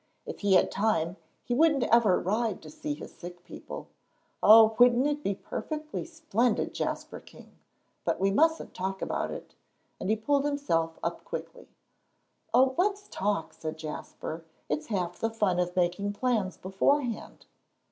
If he had time, he wouldn't ever ride to see his sick people. Oh, wouldn't it be perfectly splendid, Jasper King! But we mustn't talk about it," and he pulled himself up quickly. "Oh, let's talk," said Jasper, "it's half the fun of making plans beforehand.